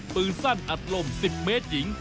ปืนสั้นอัดลม๑๐เมตรหญิง